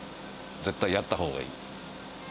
絶対やったほうがいい。